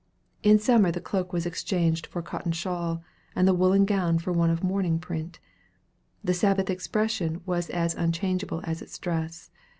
In summer the cloak was exchanged for a cotton shawl, and the woollen gown for one of mourning print. The Sabbath expression was as unchangeable as its dress.